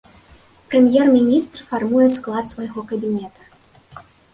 Прэм'ер-міністр фармуе склад свайго кабінета.